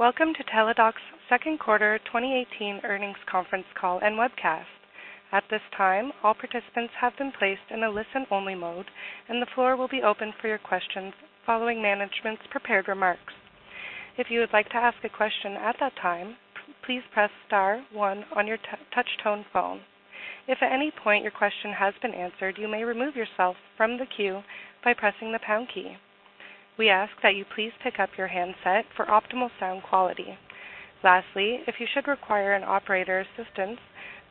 Welcome to Teladoc's second quarter 2018 earnings conference call and webcast. At this time, all participants have been placed in a listen-only mode, and the floor will be open for your questions following management's prepared remarks. If you would like to ask a question at that time, please press star one on your touch-tone phone. If at any point your question has been answered, you may remove yourself from the queue by pressing the pound key. We ask that you please pick up your handset for optimal sound quality. Lastly, if you should require an operator's assistance,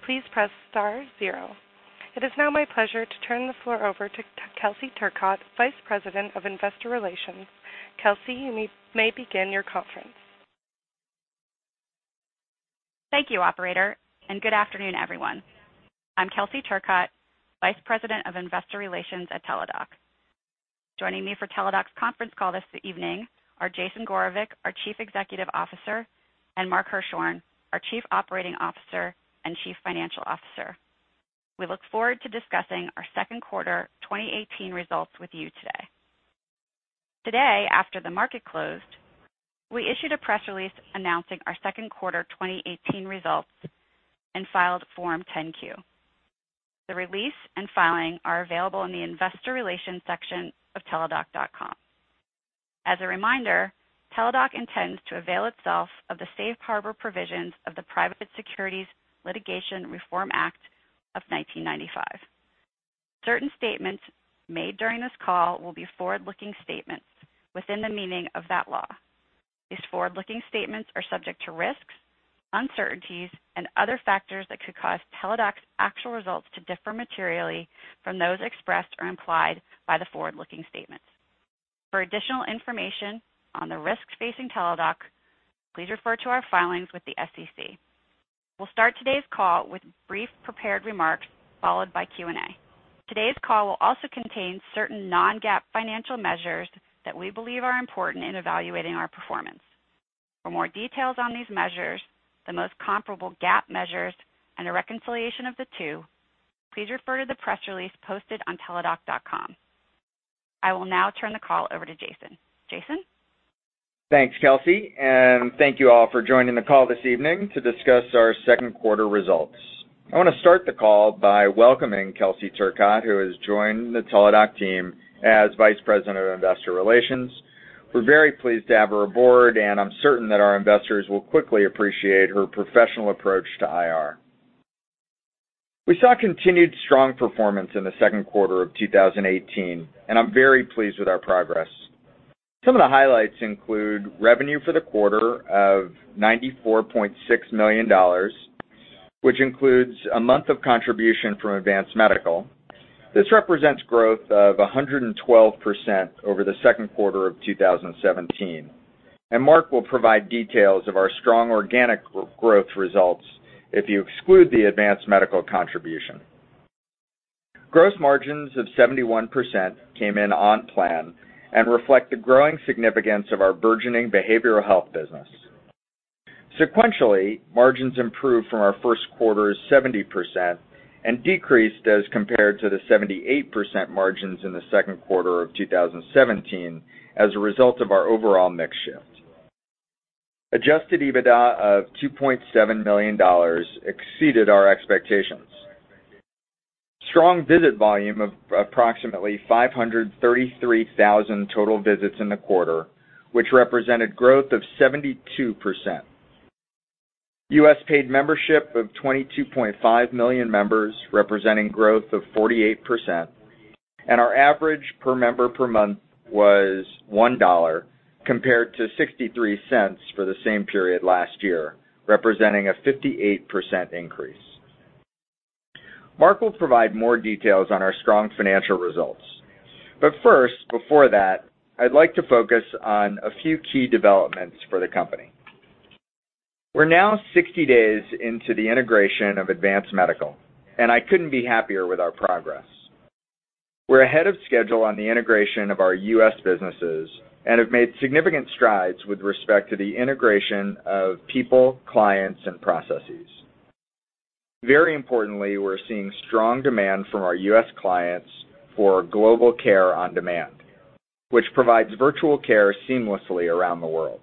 please press star zero. It is now my pleasure to turn the floor over to Kelsey Turcotte, Vice President of Investor Relations. Kelsey, you may begin your conference. Thank you, operator, and good afternoon, everyone. I'm Kelsey Turcotte, Vice President of Investor Relations at Teladoc. Joining me for Teladoc's conference call this evening are Jason Gorevic, our Chief Executive Officer, and Mark Hirschorn, our Chief Operating Officer and Chief Financial Officer. We look forward to discussing our second quarter 2018 results with you today. Today, after the market closed, we issued a press release announcing our second quarter 2018 results and filed Form 10-Q. The release and filing are available in the investor relations section of teladoc.com. As a reminder, Teladoc intends to avail itself of the safe harbor provisions of the Private Securities Litigation Reform Act of 1995. Certain statements made during this call will be forward-looking statements within the meaning of that law. These forward-looking statements are subject to risks, uncertainties, and other factors that could cause Teladoc's actual results to differ materially from those expressed or implied by the forward-looking statements. For additional information on the risks facing Teladoc, please refer to our filings with the SEC. We'll start today's call with brief prepared remarks, followed by Q&A. Today's call will also contain certain non-GAAP financial measures that we believe are important in evaluating our performance. For more details on these measures, the most comparable GAAP measures, and a reconciliation of the two, please refer to the press release posted on teladoc.com. I will now turn the call over to Jason. Jason? Thanks, Kelsey, and thank you all for joining the call this evening to discuss our second quarter results. I want to start the call by welcoming Kelsey Turcotte, who has joined the Teladoc team as Vice President of Investor Relations. We're very pleased to have her aboard, and I'm certain that our investors will quickly appreciate her professional approach to IR. We saw continued strong performance in the second quarter of 2018, and I'm very pleased with our progress. Some of the highlights include revenue for the quarter of $94.6 million, which includes a month of contribution from Advance Medical. This represents growth of 112% over the second quarter of 2017, and Mark will provide details of our strong organic growth results if you exclude the Advance Medical contribution. Gross margins of 71% came in on plan and reflect the growing significance of our burgeoning behavioral health business. Sequentially, margins improved from our first quarter's 70% and decreased as compared to the 78% margins in the second quarter of 2017 as a result of our overall mix shift. Adjusted EBITDA of $2.7 million exceeded our expectations. Strong visit volume of approximately 533,000 total visits in the quarter, which represented growth of 72%. U.S. paid membership of 22.5 million members, representing growth of 48%, and our average per member per month was $1, compared to $0.63 for the same period last year, representing a 58% increase. Mark will provide more details on our strong financial results. First, before that, I'd like to focus on a few key developments for the company. We're now 60 days into the integration of Advance Medical, and I couldn't be happier with our progress. We're ahead of schedule on the integration of our U.S. businesses and have made significant strides with respect to the integration of people, clients, and processes. Very importantly, we're seeing strong demand from our U.S. clients for Global Care on Demand, which provides virtual care seamlessly around the world.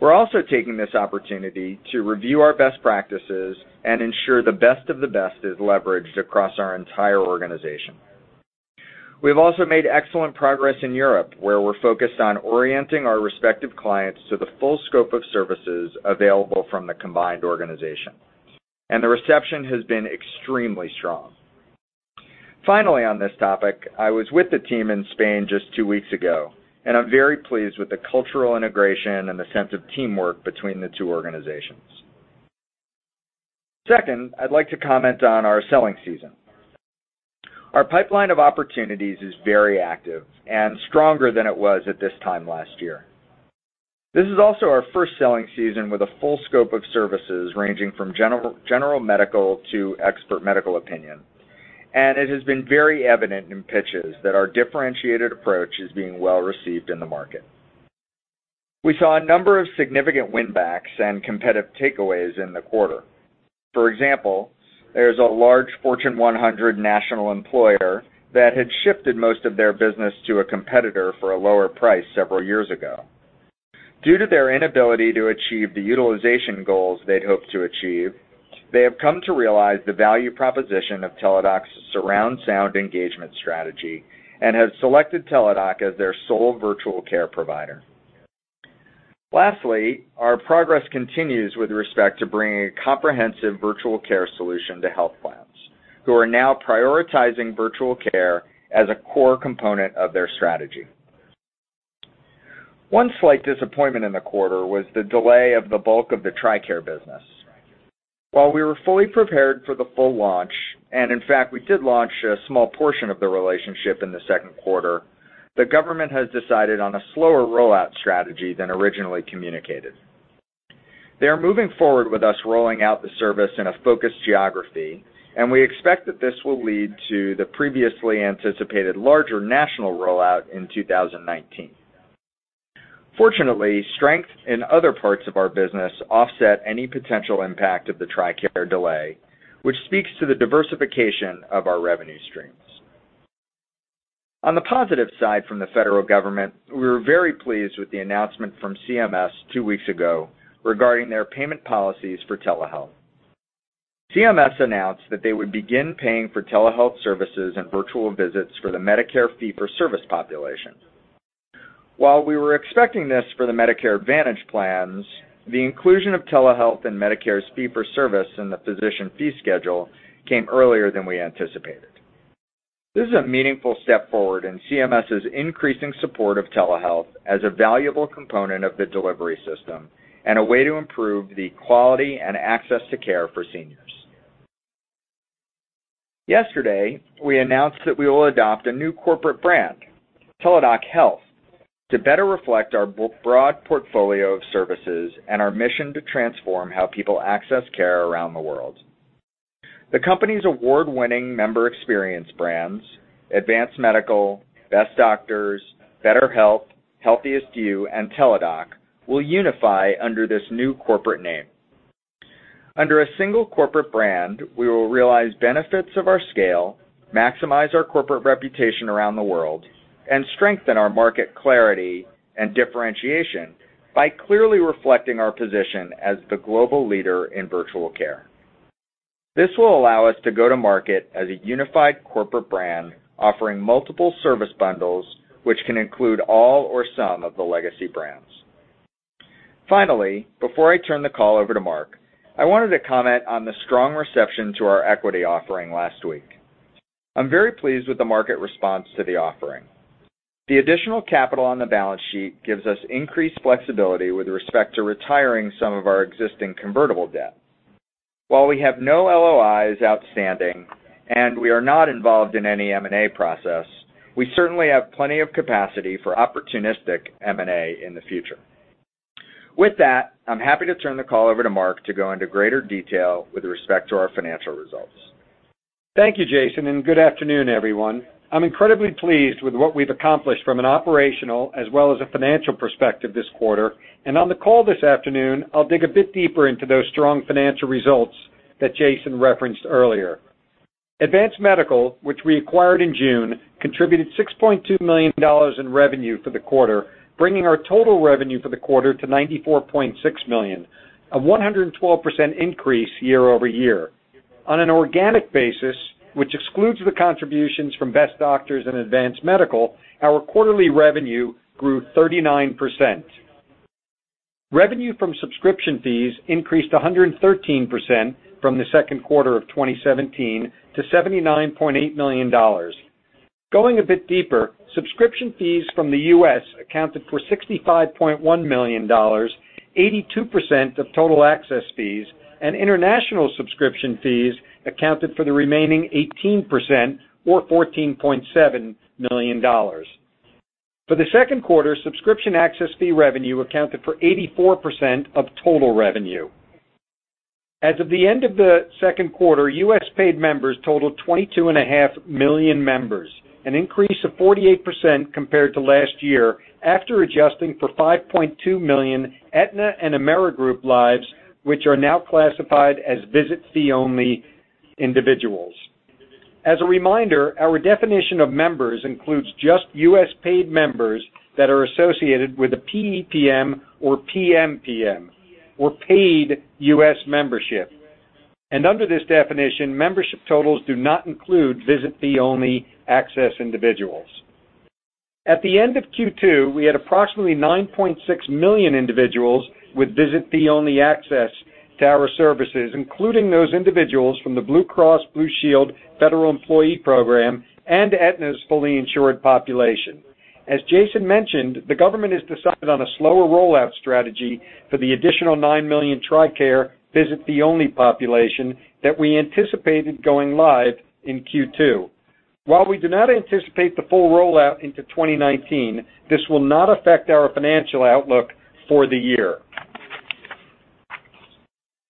We're also taking this opportunity to review our best practices and ensure the best of the best is leveraged across our entire organization. We've also made excellent progress in Europe, where we're focused on orienting our respective clients to the full scope of services available from the combined organization, the reception has been extremely strong. Finally, on this topic, I was with the team in Spain just two weeks ago, I'm very pleased with the cultural integration and the sense of teamwork between the two organizations. Second, I'd like to comment on our selling season. Our pipeline of opportunities is very active and stronger than it was at this time last year. This is also our first selling season with a full scope of services ranging from general medical to expert medical opinion, and it has been very evident in pitches that our differentiated approach is being well received in the market. We saw a number of significant win backs and competitive takeaways in the quarter. For example, there's a large Fortune 100 national employer that had shifted most of their business to a competitor for a lower price several years ago. Due to their inability to achieve the utilization goals they'd hoped to achieve, they have come to realize the value proposition of Teladoc's surround sound engagement strategy and have selected Teladoc as their sole virtual care provider. Lastly, our progress continues with respect to bringing a comprehensive virtual care solution to health plans, who are now prioritizing virtual care as a core component of their strategy. One slight disappointment in the quarter was the delay of the bulk of the TRICARE business. While we were fully prepared for the full launch, in fact, we did launch a small portion of the relationship in the second quarter, the government has decided on a slower rollout strategy than originally communicated. They are moving forward with us rolling out the service in a focused geography, we expect that this will lead to the previously anticipated larger national rollout in 2019. Fortunately, strength in other parts of our business offset any potential impact of the TRICARE delay, which speaks to the diversification of our revenue streams. On the positive side from the federal government, we were very pleased with the announcement from CMS two weeks ago regarding their payment policies for telehealth. CMS announced that they would begin paying for telehealth services and virtual visits for the Medicare fee-for-service population. While we were expecting this for the Medicare Advantage plans, the inclusion of telehealth in Medicare's fee-for-service in the physician fee schedule came earlier than we anticipated. This is a meaningful step forward in CMS's increasing support of telehealth as a valuable component of the delivery system and a way to improve the quality and access to care for seniors. Yesterday, we announced that we will adopt a new corporate brand, Teladoc Health, to better reflect our broad portfolio of services and our mission to transform how people access care around the world. The company's award-winning member experience brands, Advance Medical, Best Doctors, BetterHelp, HealthiestYou, and Teladoc will unify under this new corporate name. Under a single corporate brand, we will realize benefits of our scale, maximize our corporate reputation around the world, and strengthen our market clarity and differentiation by clearly reflecting our position as the global leader in virtual care. This will allow us to go to market as a unified corporate brand offering multiple service bundles, which can include all or some of the legacy brands. Finally, before I turn the call over to Mark, I wanted to comment on the strong reception to our equity offering last week. I'm very pleased with the market response to the offering. The additional capital on the balance sheet gives us increased flexibility with respect to retiring some of our existing convertible debt. While we have no LOIs outstanding and we are not involved in any M&A process, we certainly have plenty of capacity for opportunistic M&A in the future. With that, I'm happy to turn the call over to Mark to go into greater detail with respect to our financial results. Thank you, Jason, and good afternoon, everyone. I'm incredibly pleased with what we've accomplished from an operational as well as a financial perspective this quarter. On the call this afternoon, I'll dig a bit deeper into those strong financial results that Jason referenced earlier. Advance Medical, which we acquired in June, contributed $6.2 million in revenue for the quarter, bringing our total revenue for the quarter to $94.6 million, a 112% increase year-over-year. On an organic basis, which excludes the contributions from Best Doctors and Advance Medical, our quarterly revenue grew 39%. Revenue from subscription fees increased 113% from the second quarter of 2017 to $79.8 million. Going a bit deeper, subscription fees from the U.S. accounted for $65.1 million, 82% of total access fees, and international subscription fees accounted for the remaining 18%, or $14.7 million. For the second quarter, subscription access fee revenue accounted for 84% of total revenue. As of the end of the second quarter, U.S. paid members totaled 22.5 million members, an increase of 48% compared to last year, after adjusting for 5.2 million Aetna and Amerigroup lives, which are now classified as visit-fee-only individuals. As a reminder, our definition of members includes just U.S. paid members that are associated with a PEPM or PMPM, or paid U.S. membership. Under this definition, membership totals do not include visit-fee-only access individuals. At the end of Q2, we had approximately 9.6 million individuals with visit-fee-only access to our services, including those individuals from the Blue Cross Blue Shield Federal Employee Program and Aetna's fully insured population. As Jason mentioned, the government has decided on a slower rollout strategy for the additional 9 million TRICARE visit-fee-only population that we anticipated going live in Q2. While we do not anticipate the full rollout into 2019, this will not affect our financial outlook for the year.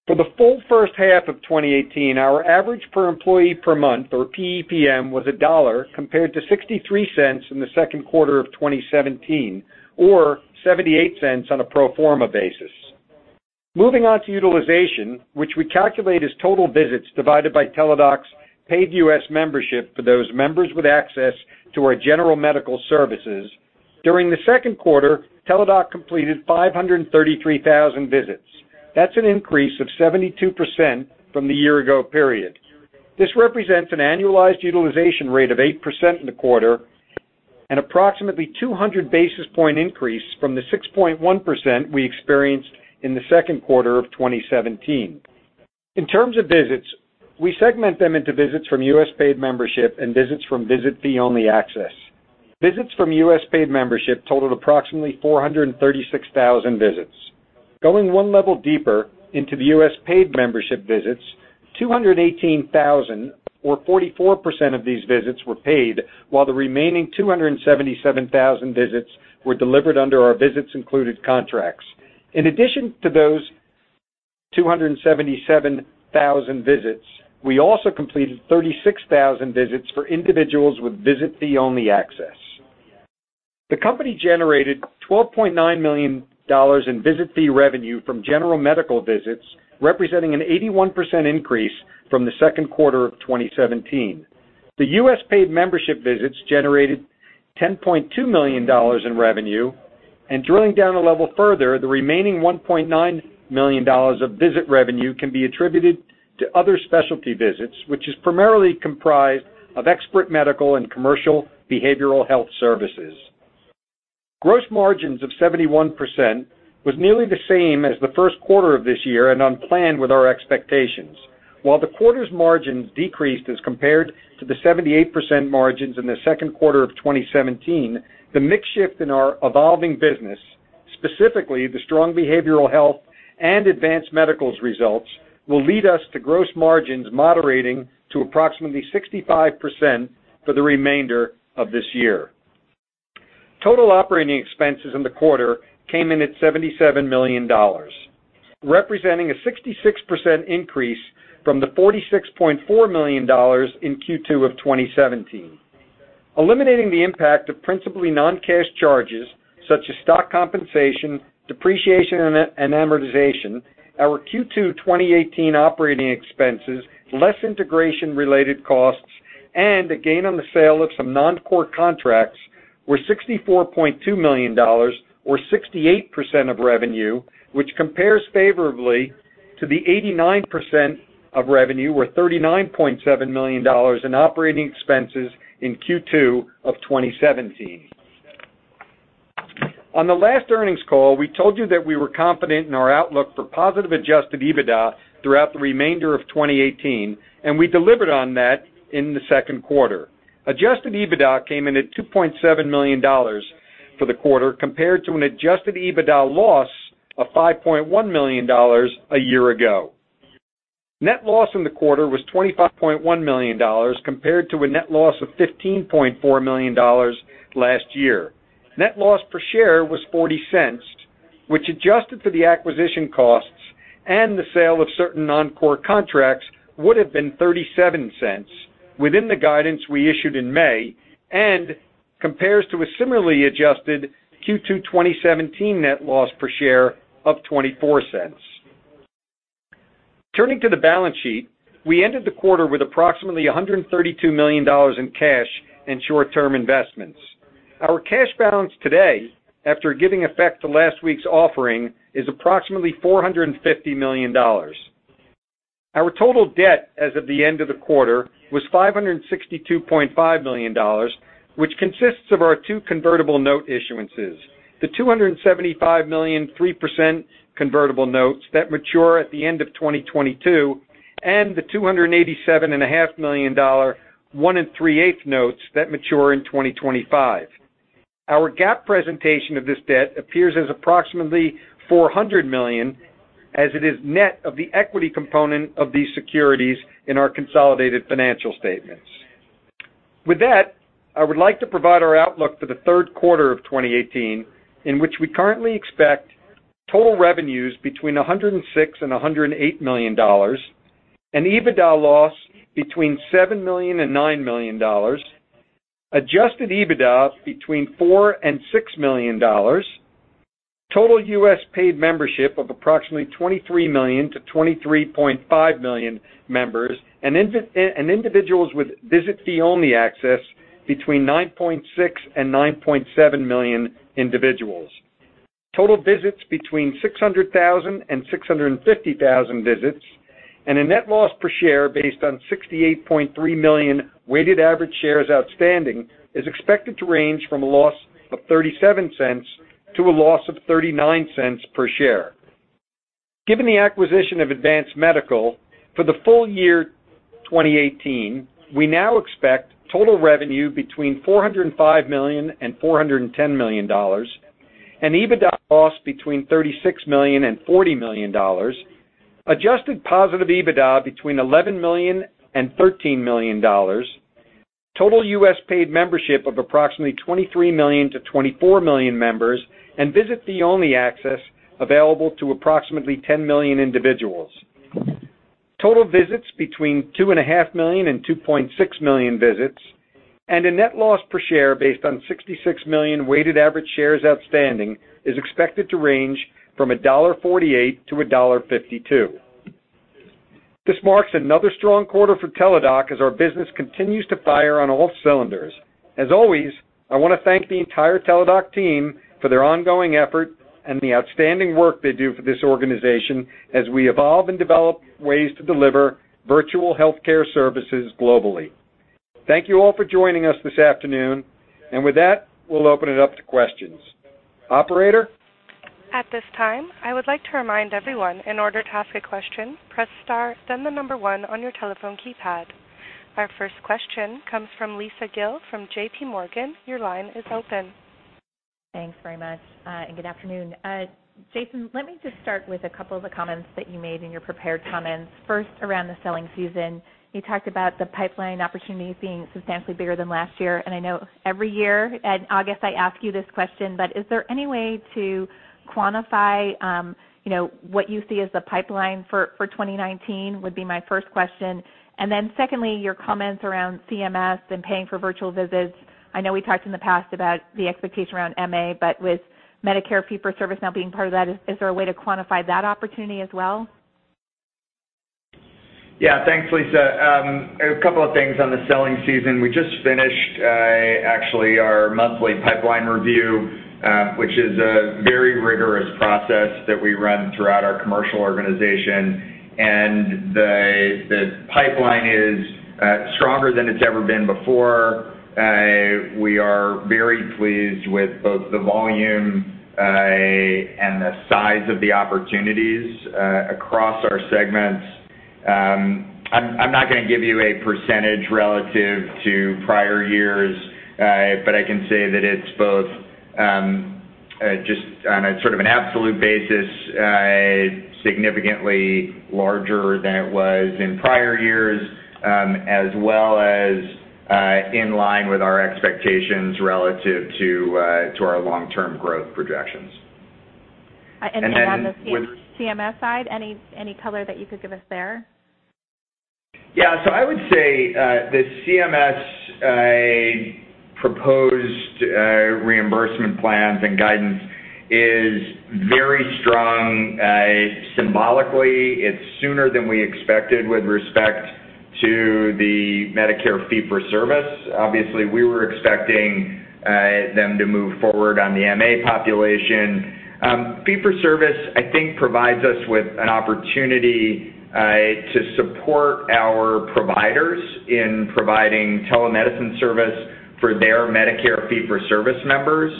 For the full first half of 2018, our average per employee per month, or PEPM, was $1 compared to $0.63 in the second quarter of 2017, or $0.78 on a pro forma basis. Moving on to utilization, which we calculate as total visits divided by Teladoc's paid U.S. membership for those members with access to our general medical services. During the second quarter, Teladoc completed 533,000 visits. That's an increase of 72% from the year ago period. This represents an annualized utilization rate of 8% in the quarter and approximately 200 basis point increase from the 6.1% we experienced in the second quarter of 2017. In terms of visits, we segment them into visits from U.S. paid membership and visits from visit fee-only access. Visits from U.S. paid membership totaled approximately 436,000 visits. Going one level deeper into the U.S. paid membership visits, 218,000 or 44% of these visits were paid, while the remaining 277,000 visits were delivered under our visits included contracts. In addition to those 277,000 visits, we also completed 36,000 visits for individuals with visit fee-only access. The company generated $12.9 million in visit fee revenue from general medical visits, representing an 81% increase from the second quarter of 2017. The U.S. paid membership visits generated $10.2 million in revenue. Drilling down a level further, the remaining $1.9 million of visit revenue can be attributed to other specialty visits, which is primarily comprised of expert medical and commercial behavioral health services. Gross margins of 71% was nearly the same as the first quarter of this year and on plan with our expectations. While the quarter's margins decreased as compared to the 78% margins in the second quarter of 2017, the mix shift in our evolving business, specifically the strong behavioral health and Advanced Medical's results, will lead us to gross margins moderating to approximately 65% for the remainder of this year. Total operating expenses in the quarter came in at $77 million, representing a 66% increase from the $46.4 million in Q2 of 2017. Eliminating the impact of principally non-cash charges such as stock compensation, depreciation, and amortization, our Q2 2018 operating expenses, less integration related costs, and a gain on the sale of some non-core contracts were $64.2 million or 68% of revenue, which compares favorably to the 89% of revenue, or $39.7 million in operating expenses in Q2 of 2017. On the last earnings call, we told you that we were confident in our outlook for positive adjusted EBITDA throughout the remainder of 2018. We delivered on that in the second quarter. Adjusted EBITDA came in at $2.7 million for the quarter compared to an adjusted EBITDA loss of $5.1 million a year ago. Net loss in the quarter was $25.1 million compared to a net loss of $15.4 million last year. Net loss per share was $0.40, which adjusted for the acquisition costs and the sale of certain non-core contracts would have been $0.37 within the guidance we issued in May and compares to a similarly adjusted Q2 2017 net loss per share of $0.24. Turning to the balance sheet, we ended the quarter with approximately $132 million in cash and short-term investments. Our cash balance today, after giving effect to last week's offering, is approximately $450 million. Our total debt as of the end of the quarter was $562.5 million, which consists of our two convertible note issuances: the $275 million 3% convertible notes that mature at the end of 2022 and the $287.5 million one and three eighth notes that mature in 2025. Our GAAP presentation of this debt appears as approximately $400 million as it is net of the equity component of these securities in our consolidated financial statements. With that, I would like to provide our outlook for the third quarter of 2018, in which we currently expect total revenues between $106 million-$108 million, an EBITDA loss between $7 million-$9 million, adjusted EBITDA between $4 million-$6 million, total U.S. paid membership of approximately 23 million-23.5 million members, and individuals with visit fee-only access between 9.6 million-9.7 million individuals. Total visits between 600,000-650,000 visits and a net loss per share based on 68.3 million weighted average shares outstanding is expected to range from a loss of $0.37 to a loss of $0.39 per share. Given the acquisition of Advance Medical, for the full year 2018, we now expect total revenue between $405 million-$410 million, an EBITDA loss between $36 million-$40 million, adjusted positive EBITDA between $11 million-$13 million. Total U.S. paid membership of approximately 23 million-24 million members and visit fee-only access available to approximately 10 million individuals. Total visits between 2.5 million-2.6 million visits, and a net loss per share based on 66 million weighted average shares outstanding is expected to range from $1.48-$1.52. This marks another strong quarter for Teladoc Health as our business continues to fire on all cylinders. As always, I want to thank the entire Teladoc Health team for their ongoing effort and the outstanding work they do for this organization as we evolve and develop ways to deliver virtual healthcare services globally. Thank you all for joining us this afternoon. With that, we'll open it up to questions. Operator? At this time, I would like to remind everyone, in order to ask a question, press star, then the number one on your telephone keypad. Our first question comes from Lisa Gill from J.P. Morgan. Your line is open. Thanks very much, and good afternoon. Jason, let me just start with a couple of the comments that you made in your prepared comments. First, around the selling season, you talked about the pipeline opportunities being substantially bigger than last year. I know every year at August I ask you this question, but is there any way to quantify what you see as the pipeline for 2019, would be my first question. Secondly, your comments around CMS and paying for virtual visits. I know we talked in the past about the expectation around MA, but with Medicare fee-for-service now being part of that, is there a way to quantify that opportunity as well? Yeah. Thanks, Lisa. A couple of things on the selling season. We just finished actually our monthly pipeline review, which is a very rigorous process that we run throughout our commercial organization. The pipeline is stronger than it's ever been before. We are very pleased with both the volume and the size of the opportunities across our segments. I'm not going to give you a percentage relative to prior years, but I can say that it's both, just on a sort of an absolute basis, significantly larger than it was in prior years, as well as in line with our expectations relative to our long-term growth projections. Then on the CMS side, any color that you could give us there? Yeah. I would say, the CMS proposed reimbursement plans and guidance is very strong. Symbolically, it's sooner than we expected with respect to the Medicare fee-for-service. Obviously, we were expecting them to move forward on the MA population. Fee-for-service, I think, provides us with an opportunity to support our providers in providing telemedicine service for their Medicare fee-for-service members,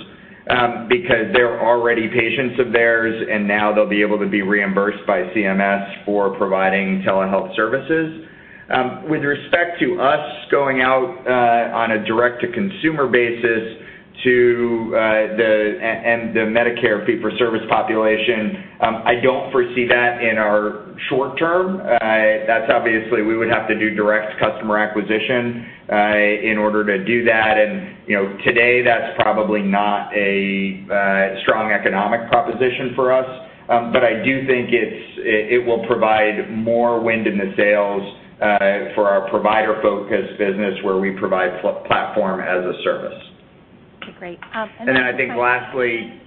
because they're already patients of theirs, and now they'll be able to be reimbursed by CMS for providing telehealth services. With respect to us going out on a direct-to-consumer basis and the Medicare fee-for-service population, I don't foresee that in our short term. That's we would have to do direct customer acquisition in order to do that. Today, that's probably not a strong economic proposition for us. I do think it will provide more wind in the sails for our provider-focused business where we provide platform as a service. Okay, great. I think. I think lastly.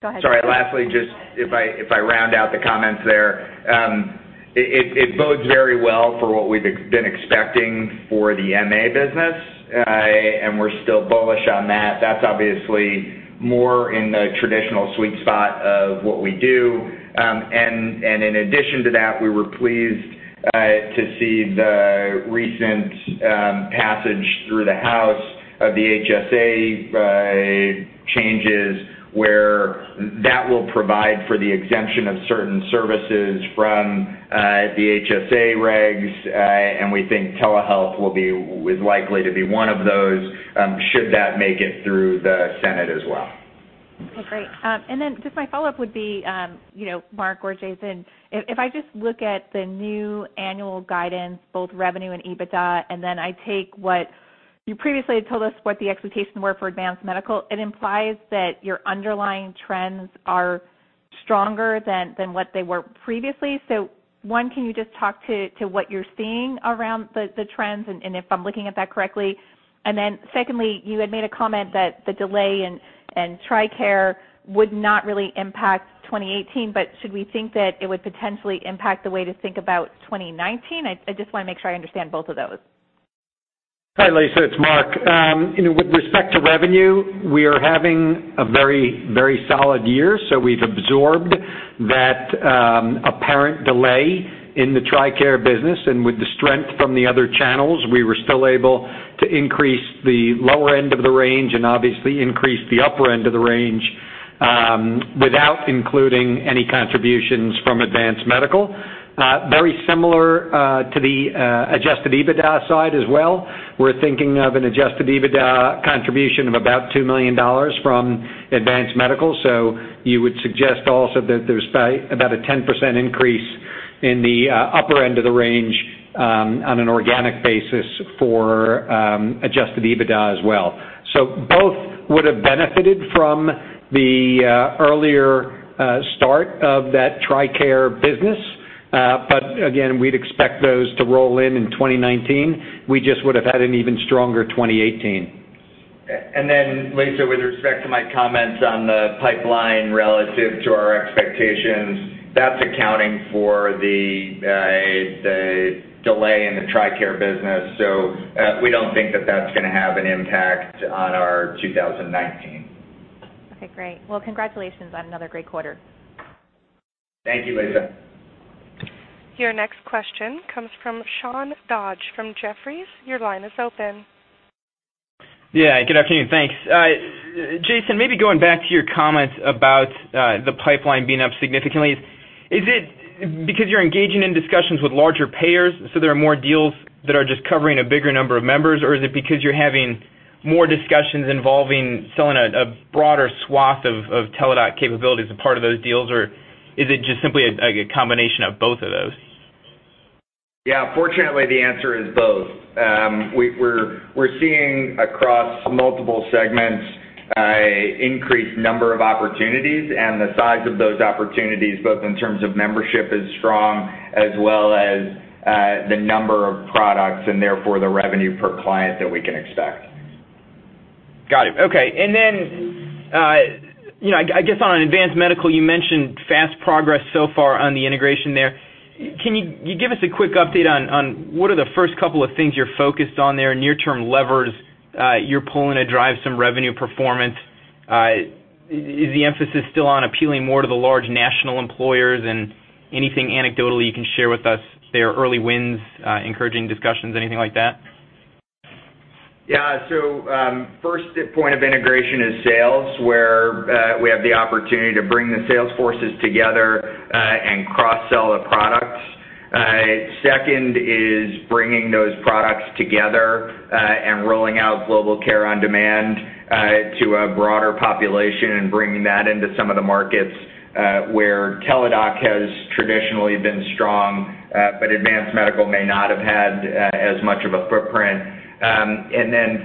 Go ahead. Sorry, lastly, just if I round out the comments there. It bodes very well for what we've been expecting for the MA business. We're still bullish on that. That's obviously more in the traditional sweet spot of what we do. In addition to that, we were pleased to see the recent passage through the House of the HSA changes, where that will provide for the exemption of certain services from the HSA regs, and we think telehealth is likely to be one of those, should that make it through the Senate as well. Well, great. Just my follow-up would be, Mark or Jason, if I just look at the new annual guidance, both revenue and EBITDA, then I take what you previously had told us what the expectations were for Advance Medical, it implies that your underlying trends are stronger than what they were previously. One, can you just talk to what you're seeing around the trends and if I'm looking at that correctly? Secondly, you had made a comment that the delay in TRICARE would not really impact 2018, but should we think that it would potentially impact the way to think about 2019? I just want to make sure I understand both of those. Hi, Lisa, it's Mark. With respect to revenue, we are having a very solid year. We've absorbed that apparent delay in the TRICARE business, and with the strength from the other channels, we were still able to increase the lower end of the range and obviously increase the upper end of the range without including any contributions from Advance Medical. Very similar to the adjusted EBITDA side as well. We're thinking of an adjusted EBITDA contribution of about $2 million from Advance Medical. You would suggest also that there's about a 10% increase in the upper end of the range on an organic basis for adjusted EBITDA as well. Both would've benefited from the earlier start of that TRICARE business. Again, we'd expect those to roll in in 2019. We just would've had an even stronger 2018. Lisa, with respect to my comments on the pipeline relative to our expectations, that's accounting for the delay in the TRICARE business. We don't think that that's going to have an impact on our 2019. Okay, great. Well, congratulations on another great quarter. Thank you, Lisa. Your next question comes from Sean Dodge from Jefferies. Your line is open. Yeah. Good afternoon. Thanks. Jason, maybe going back to your comments about the pipeline being up significantly, is it because you're engaging in discussions with larger payers, so there are more deals that are just covering a bigger number of members? Or is it because you're having more discussions involving selling a broader swath of Teladoc capabilities as part of those deals? Or is it just simply a combination of both of those? Yeah. Fortunately, the answer is both. We're seeing across multiple segments an increased number of opportunities, and the size of those opportunities, both in terms of membership is strong, as well as the number of products, and therefore the revenue per client that we can expect. Got it. Okay. I guess on Advance Medical, you mentioned fast progress so far on the integration there. Can you give us a quick update on what are the first couple of things you're focused on there, near-term levers you're pulling to drive some revenue performance? Is the emphasis still on appealing more to the large national employers? Anything anecdotally you can share with us there, early wins, encouraging discussions, anything like that? Yeah. First point of integration is sales, where we have the opportunity to bring the sales forces together and cross-sell the products. Second is bringing those products together and rolling out Global Care on Demand to a broader population and bringing that into some of the markets where Teladoc has traditionally been strong, but Advance Medical may not have had as much of a footprint.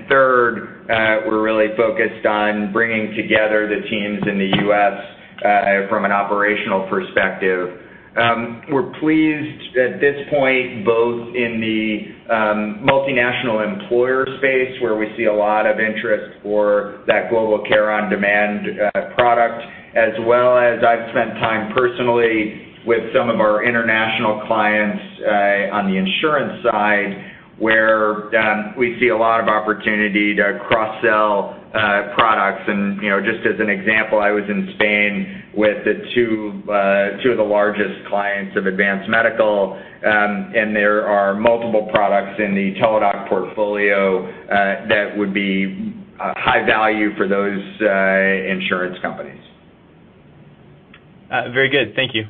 Third, we're really focused on bringing together the teams in the U.S. from an operational perspective. We're pleased at this point, both in the multinational employer space, where we see a lot of interest for that Global Care on Demand product. As well as I've spent time personally with some of our international clients on the insurance side, where we see a lot of opportunity to cross-sell products. Just as an example, I was in Spain with two of the largest clients of Advance Medical, there are multiple products in the Teladoc portfolio that would be high value for those insurance companies. Very good. Thank you.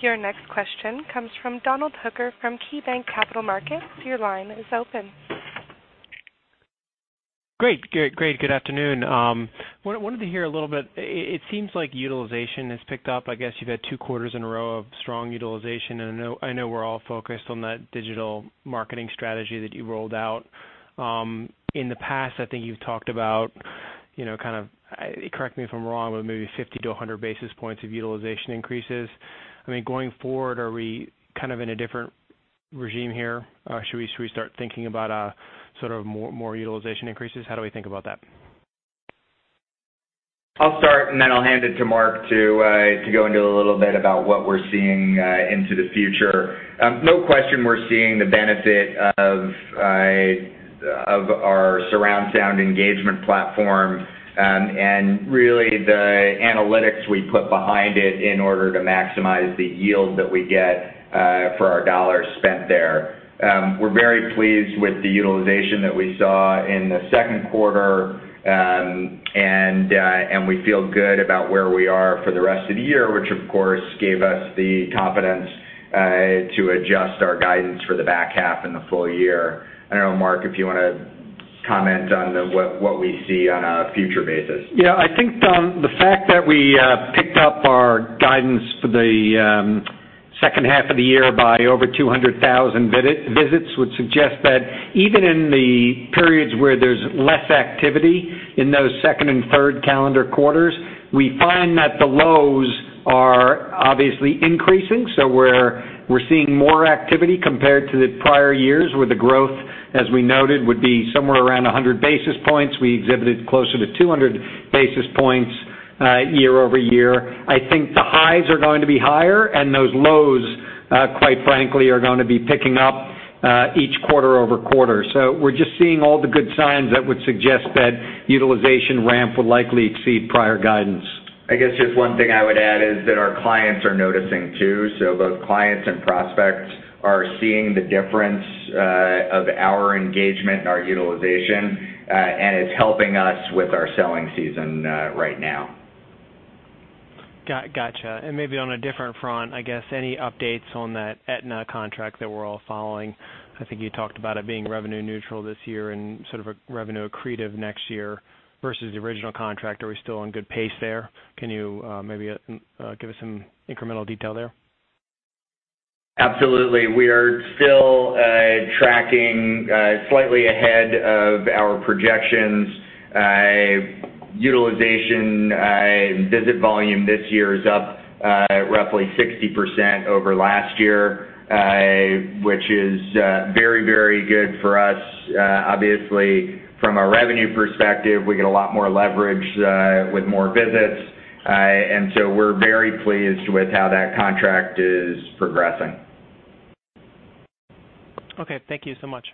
Your next question comes from Donald Hooker from KeyBanc Capital Markets. Your line is open. Great. Good afternoon. Wanted to hear a little bit, it seems like utilization has picked up. I guess you've had two quarters in a row of strong utilization, and I know we're all focused on that digital marketing strategy that you rolled out. In the past, I think you've talked about, correct me if I'm wrong, but maybe 50-100 basis points of utilization increases. Going forward, are we in a different regime here? Should we start thinking about more utilization increases? How do we think about that? I'll start, and then I'll hand it to Mark to go into a little bit about what we're seeing into the future. No question, we're seeing the benefit of our surround sound engagement platform, and really the analytics we put behind it in order to maximize the yield that we get for our dollars spent there. We're very pleased with the utilization that we saw in the second quarter, and we feel good about where we are for the rest of the year, which of course gave us the confidence to adjust our guidance for the back half and the full year. I don't know, Mark, if you want to comment on what we see on a future basis. Yeah. I think, Don, the fact that we picked up our guidance for the second half of the year by over 200,000 visits would suggest that even in the periods where there's less activity in those second and third calendar quarters, we find that the lows are obviously increasing. We're seeing more activity compared to the prior years, where the growth, as we noted, would be somewhere around 100 basis points. We exhibited closer to 200 basis points year-over-year. I think the highs are going to be higher, and those lows, quite frankly, are going to be picking up each quarter-over-quarter. We're just seeing all the good signs that would suggest that utilization ramp will likely exceed prior guidance. I guess just one thing I would add is that our clients are noticing, too. Both clients and prospects are seeing the difference of our engagement and our utilization, and it's helping us with our selling season right now. Gotcha. Maybe on a different front, I guess any updates on that Aetna contract that we're all following? I think you talked about it being revenue neutral this year and sort of revenue accretive next year versus the original contract. Are we still on good pace there? Can you maybe give us some incremental detail there? Absolutely. We are still tracking slightly ahead of our projections. Utilization visit volume this year is up roughly 60% over last year, which is very, very good for us. Obviously, from a revenue perspective, we get a lot more leverage with more visits. We're very pleased with how that contract is progressing. Okay. Thank you so much.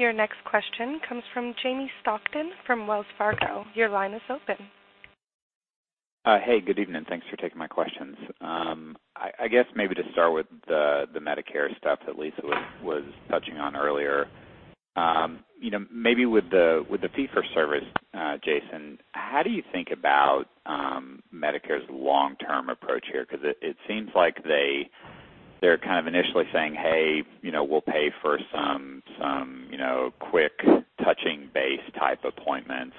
Your next question comes from Jamie Stockton from Wells Fargo. Your line is open. Hey, good evening. Thanks for taking my questions. I guess maybe to start with the Medicare stuff that Lisa was touching on earlier. Maybe with the fee-for-service, Jason, how do you think about Medicare's long-term approach here? Because it seems like they're kind of initially saying, "Hey, we'll pay for some quick touching base type appointments."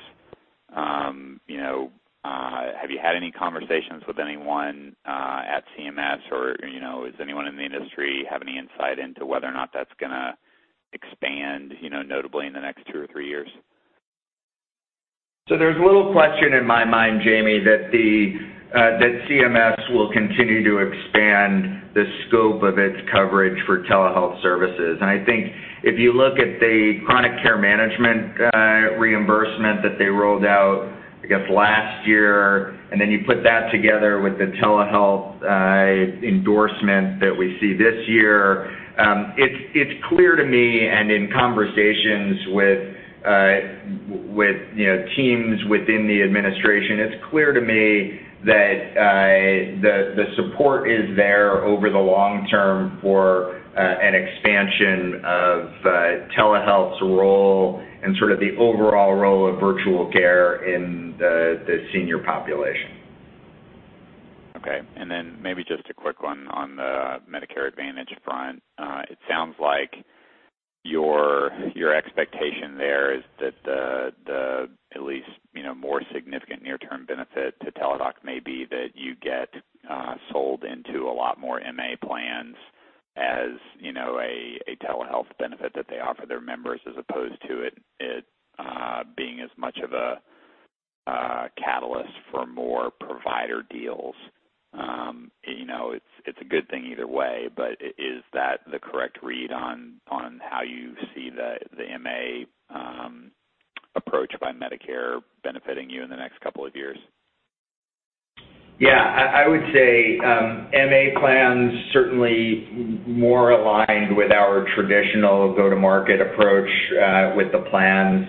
Have you had any conversations with anyone at CMS or does anyone in the industry have any insight into whether or not that's going to expand notably in the next two or three years? There's little question in my mind, Jamie Stockton, that CMS will continue to expand the scope of its coverage for telehealth services. I think if you look at the chronic care management reimbursement that they rolled out, I guess, last year, and then you put that together with the telehealth endorsement that we see this year, it's clear to me, and in conversations with teams within the administration, it's clear to me that the support is there over the long term for an expansion of telehealth's role and sort of the overall role of virtual care in the senior population. Okay. Then maybe just a quick one on the Medicare Advantage front. It sounds like your expectation there is that the at least more significant near-term benefit to Teladoc may be that you get sold into a lot more MA plans as a telehealth benefit that they offer their members, as opposed to it being as much of a catalyst for more provider deals. It's a good thing either way, but is that the correct read on how you see the MA approach by Medicare benefiting you in the next couple of years? Yeah, I would say MA plans certainly more aligned with our traditional go-to-market approach with the plans.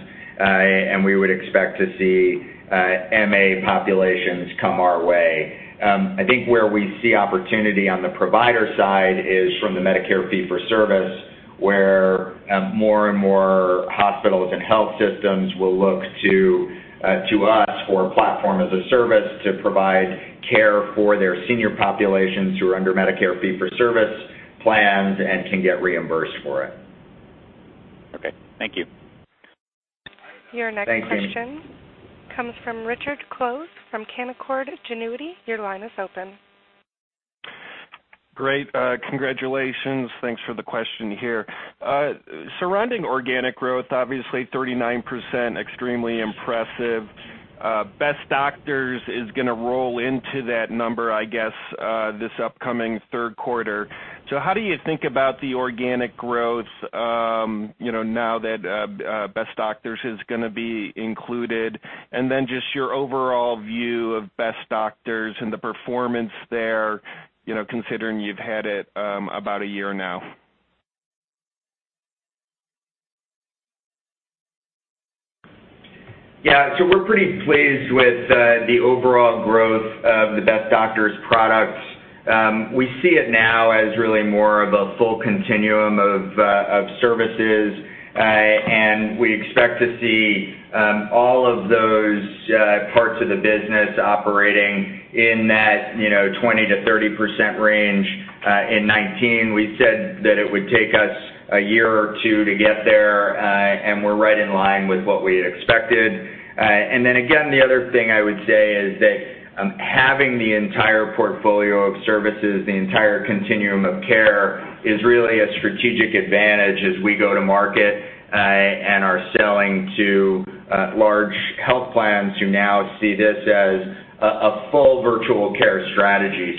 We would expect to see MA populations come our way. I think where we see opportunity on the provider side is from the Medicare fee-for-service, where more and more hospitals and health systems will look to us for platform as a service to provide care for their senior populations who are under Medicare fee-for-service plans and can get reimbursed for it. Okay. Thank you. Thanks, Jamie. Your next question comes from Richard Close from Canaccord Genuity. Your line is open. Great. Congratulations. Thanks for the question here. Surrounding organic growth, obviously 39%, extremely impressive. Best Doctors is going to roll into that number, I guess, this upcoming third quarter. How do you think about the organic growth now that Best Doctors is going to be included? Just your overall view of Best Doctors and the performance there, considering you've had it about a year now. Yeah. We're pretty pleased with the overall growth of the Best Doctors product. We see it now as really more of a full continuum of services. We expect to see all of those parts of the business operating in that 20%-30% range in 2019. We said that it would take us a year or two to get there, and we're right in line with what we had expected. Again, the other thing I would say is that having the entire portfolio of services, the entire continuum of care, is really a strategic advantage as we go to market and are selling to large health plans who now see this as a full virtual care strategy.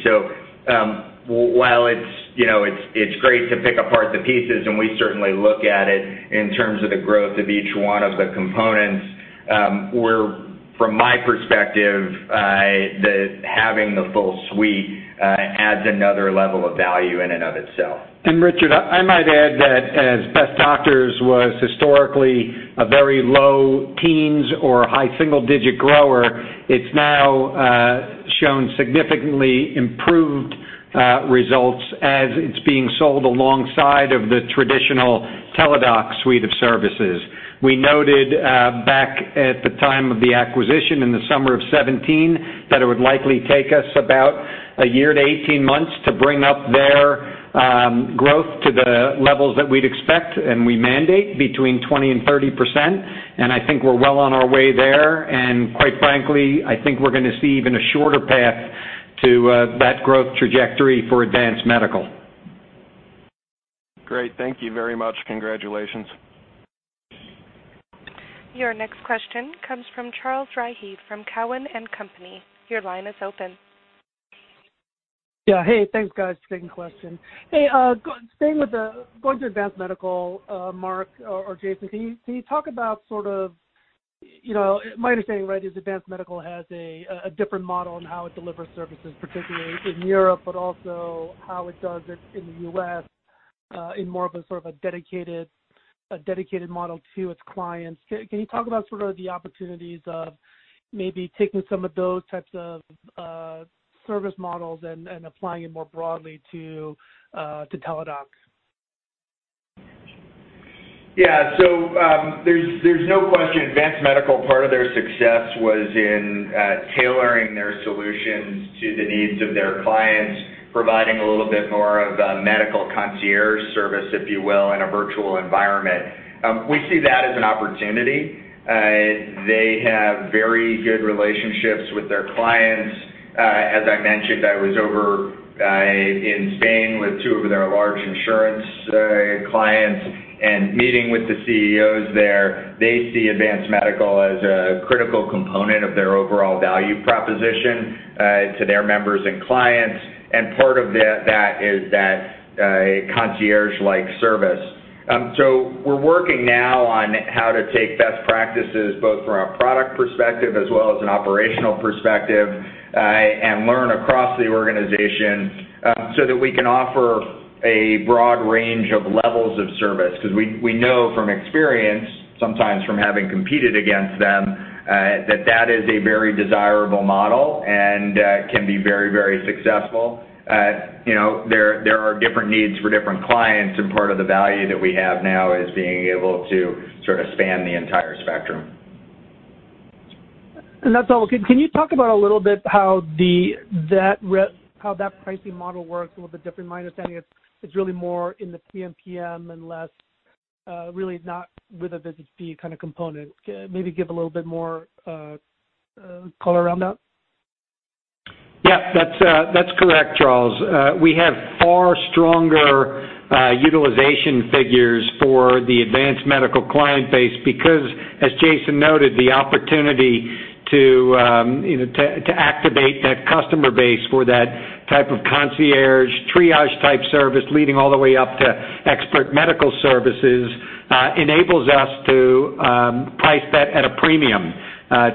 While it's great to pick apart the pieces, and we certainly look at it in terms of the growth of each one of the components, from my perspective, having the full suite adds another level of value in and of itself. Richard, I might add that as Best Doctors was historically a very low teens or high single-digit grower, it's now shown significantly improved results as it's being sold alongside of the traditional Teladoc suite of services. We noted back at the time of the acquisition in the summer of 2017, that it would likely take us about a year to 18 months to bring up their growth to the levels that we'd expect, and we mandate between 20% and 30%. I think we're well on our way there. Quite frankly, I think we're going to see even a shorter path to that growth trajectory for Advance Medical. Great. Thank you very much. Congratulations. Your next question comes from Charles Rhyee from Cowen and Company. Your line is open. Hey, thanks guys. Taking question. Going to Advance Medical, Mark or Jason, my understanding is Advance Medical has a different model on how it delivers services, particularly in Europe, but also how it does it in the U.S. in more of a dedicated model to its clients. Can you talk about the opportunities of maybe taking some of those types of service models and applying it more broadly to Teladoc? Yeah. There's no question Advance Medical, part of their success was in tailoring their solutions to the needs of their clients, providing a little bit more of a medical concierge service, if you will, in a virtual environment. We see that as an opportunity. They have very good relationships with their clients. As I mentioned, I was over in Spain with two of their large insurance clients and meeting with the CEOs there. They see Advance Medical as a critical component of their overall value proposition to their members and clients. Part of that is that concierge-like service. We're working now on how to take best practices both from a product perspective as well as an operational perspective, and learn across the organization, so that we can offer a broad range of levels of service, because we know from experience, sometimes from having competed against them, that is a very desirable model and can be very successful. There are different needs for different clients, part of the value that we have now is being able to span the entire spectrum. That's all. Can you talk about a little bit how that pricing model works a little bit different? My understanding is it's really more in the PMPM and really not with a visit fee kind of component. Maybe give a little bit more color around that. Yeah, that's correct, Charles. We have far stronger utilization figures for the Advance Medical client base because, as Jason noted, the opportunity to activate that customer base for that type of concierge, triage-type service leading all the way up to expert medical services, enables us to price that at a premium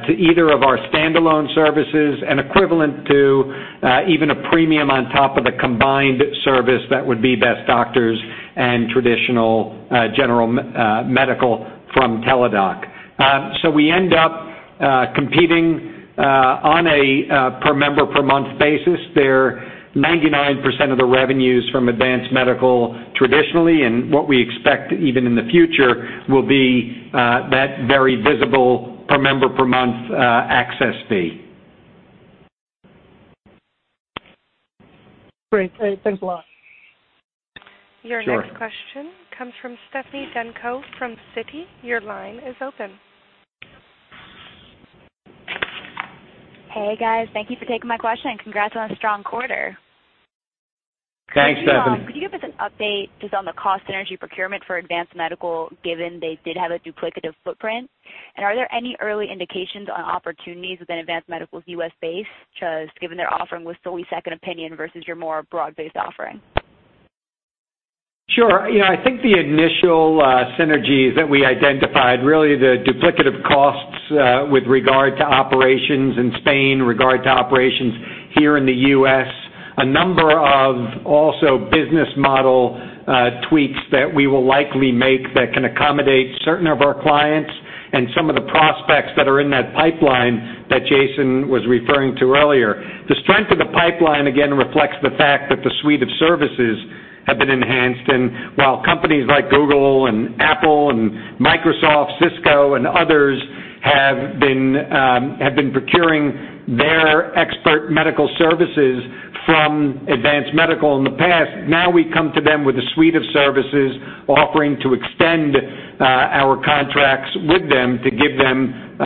to either of our standalone services and equivalent to even a premium on top of the combined service that would be Best Doctors and traditional general medical from Teladoc. We end up competing on a per member per month basis. Their 99% of the revenues from Advance Medical traditionally, and what we expect even in the future will be that very visible per member per month access fee. Great. Thanks a lot. Sure. Your next question comes from Stephanie Davis from Citi. Your line is open. Hey, guys. Thank you for taking my question, and congrats on a strong quarter. Thanks, Stephanie. Could you give us an update just on the cost synergy procurement for Advance Medical, given they did have a duplicative footprint? Are there any early indications on opportunities within Advance Medical's U.S. base, given their offering was solely second opinion versus your more broad-based offering? Sure. I think the initial synergies that we identified, really the duplicative costs with regard to operations in Spain, regard to operations here in the U.S., a number of also business model tweaks that we will likely make that can accommodate certain of our clients and some of the prospects that are in that pipeline that Jason was referring to earlier. The strength of the pipeline again reflects the fact that the suite of services have been enhanced. While companies like Google and Apple and Microsoft, Cisco, and others have been procuring their expert medical services from Advance Medical in the past, now we come to them with a suite of services offering to extend our contracts with them to give them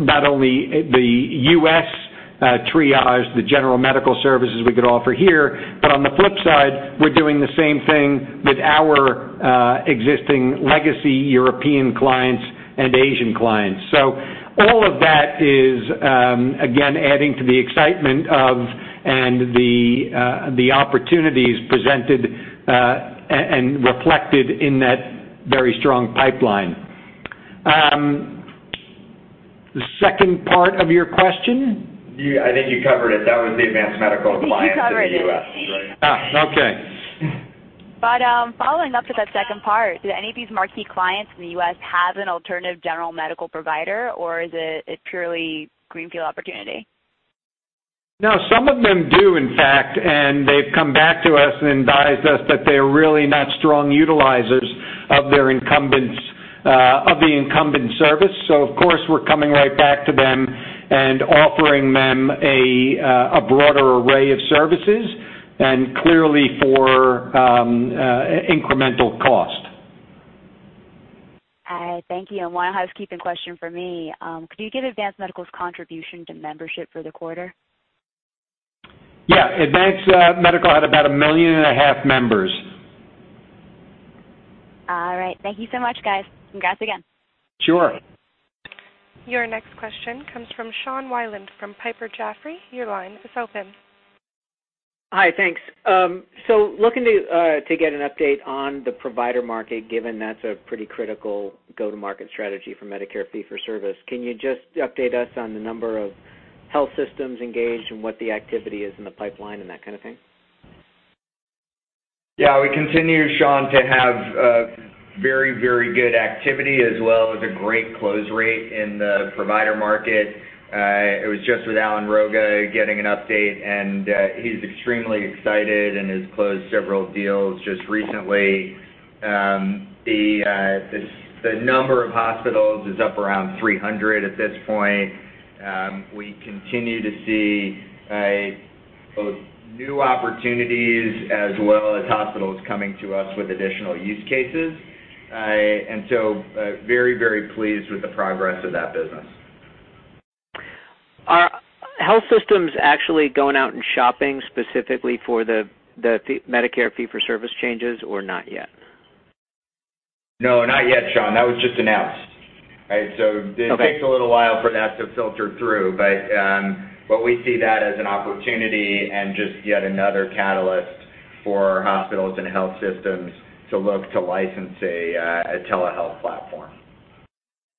not only the U.S. triage, the general medical services we could offer here, but on the flip side, we're doing the same thing with our existing legacy European clients and Asian clients. All of that is, again, adding to the excitement of, and the opportunities presented, and reflected in that very strong pipeline. The second part of your question? I think you covered it. That was the Advance Medical compliance in the U.S., right? I think you covered it. Okay. Following up with that second part, do any of these marquee clients in the U.S. have an alternative general medical provider, or is it purely greenfield opportunity? No, some of them do, in fact, and they've come back to us and advised us that they're really not strong utilizers of the incumbent service. Of course, we're coming right back to them and offering them a broader array of services and clearly for incremental cost. Thank you. One housekeeping question from me. Could you give Advance Medical's contribution to membership for the quarter? Yeah. Advance Medical had about a million and a half members. All right. Thank you so much, guys. Congrats again. Sure. Your next question comes from Sean Wieland from Piper Jaffray. Your line is open. Hi. Thanks. Looking to get an update on the provider market, given that's a pretty critical go-to-market strategy for Medicare fee-for-service. Can you just update us on the number of health systems engaged and what the activity is in the pipeline and that kind of thing? Yeah. We continue, Sean, to have very good activity as well as a great close rate in the provider market. I was just with Alan Rogat getting an update. He's extremely excited and has closed several deals just recently. The number of hospitals is up around 300 at this point. We continue to see both new opportunities as well as hospitals coming to us with additional use cases. Very pleased with the progress of that business. Are health systems actually going out and shopping specifically for the Medicare fee-for-service changes or not yet? No, not yet, Sean. That was just announced. It takes a little while for that to filter through. We see that as an opportunity and just yet another catalyst for hospitals and health systems to look to license a telehealth platform.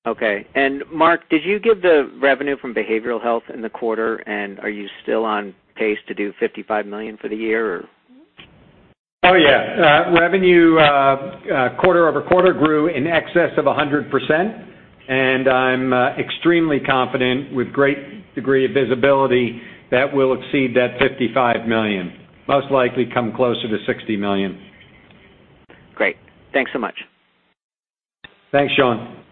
Okay. Mark, did you give the revenue from behavioral health in the quarter, and are you still on pace to do $55 million for the year, or? Oh, yeah. Revenue quarter-over-quarter grew in excess of 100%. I'm extremely confident with a great degree of visibility that we'll exceed that $55 million. Most likely come closer to $60 million. Great. Thanks so much. Thanks, Sean.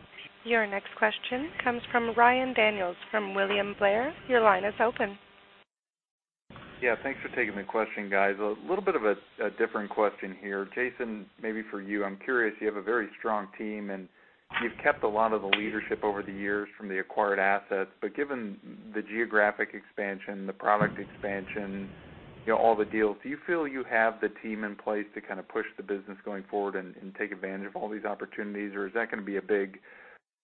Your next question comes from Ryan Daniels from William Blair. Your line is open. Yeah. Thanks for taking the question, guys. A little bit of a different question here. Jason, maybe for you, I'm curious, you have a very strong team, and you've kept a lot of the leadership over the years from the acquired assets. Given the geographic expansion, the product expansion, all the deals, do you feel you have the team in place to push the business going forward and take advantage of all these opportunities, or is that going to be a big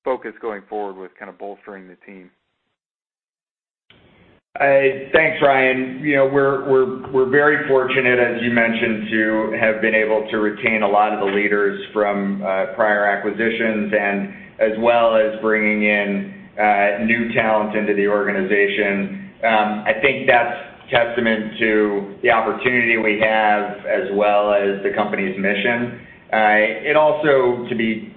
focus going forward with kind of bolstering the team? Thanks, Ryan. We're very fortunate, as you mentioned, to have been able to retain a lot of the leaders from prior acquisitions and as well as bringing in new talent into the organization. I think that's testament to the opportunity we have as well as the company's mission. It also, to be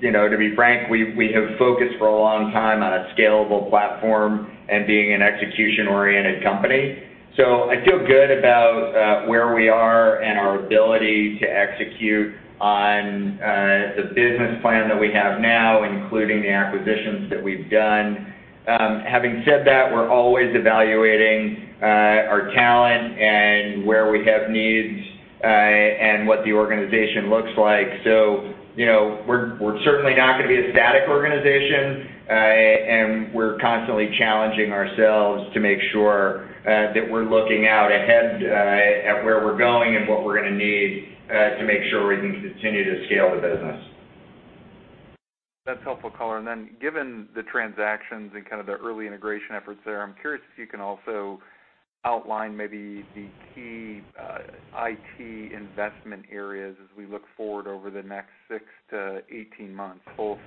frank, we have focused for a long time on a scalable platform and being an execution-oriented company. I feel good about where we are and our ability to execute on the business plan that we have now, including the acquisitions that we've done. Having said that, we're always evaluating our talent and where we have needs and what the organization looks like. We're certainly not going to be a static organization, and we're constantly challenging ourselves to make sure that we're looking out ahead at where we're going and what we're going to need to make sure we can continue to scale the business. That's helpful color. Given the transactions and kind of the early integration efforts there, I'm curious if you can also outline maybe the key IT investment areas as we look forward over the next six to 18 months, both,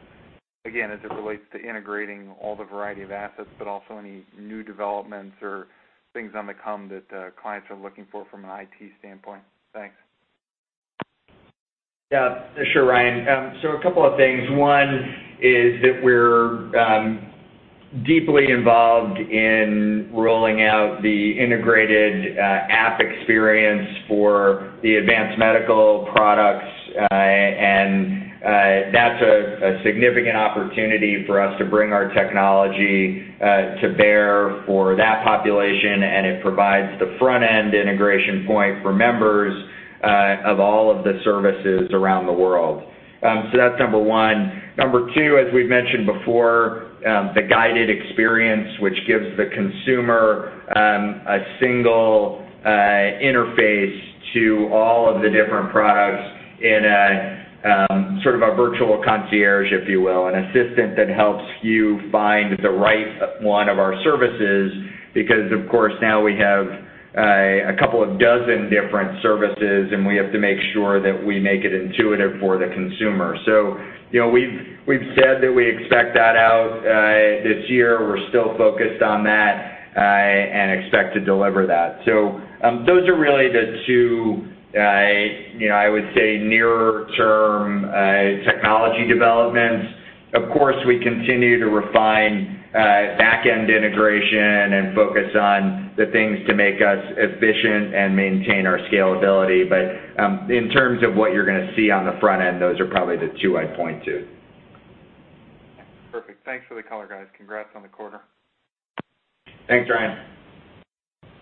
again, as it relates to integrating all the variety of assets, but also any new developments or things on the come that clients are looking for from an IT standpoint. Thanks. Yeah. Sure, Ryan. A couple of things. One is that we're deeply involved in rolling out the integrated app experience for the Advance Medical products. That's a significant opportunity for us to bring our technology to bear for that population, and it provides the front-end integration point for members of all of the services around the world. That's number one. Number two, as we've mentioned before, the guided experience, which gives the consumer a single interface to all of the different products in a sort of a virtual concierge, if you will, an assistant that helps you find the right one of our services. Because of course, now we have a couple of dozen different services, and we have to make sure that we make it intuitive for the consumer. We've said that we expect that out this year. We're still focused on that and expect to deliver that. Those are really the two, I would say nearer-term technology developments. Of course, we continue to refine back-end integration and focus on the things to make us efficient and maintain our scalability. In terms of what you're going to see on the front end, those are probably the two I'd point to. Perfect. Thanks for the color, guys. Congrats on the quarter. Thanks, Ryan.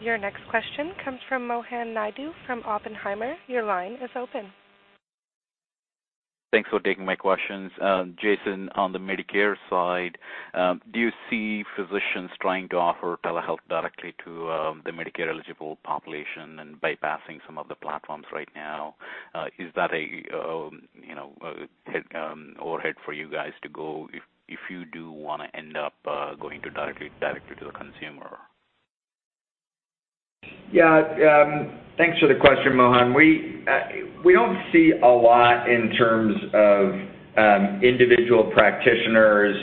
Your next question comes from Mohan Naidu from Oppenheimer. Your line is open. Thanks for taking my questions. Jason, on the Medicare side, do you see physicians trying to offer telehealth directly to the Medicare-eligible population and bypassing some of the platforms right now? Is that an overhead for you guys to go if you do want to end up going directly to the consumer? Yeah. Thanks for the question, Mohan. We don't see a lot in terms of individual practitioners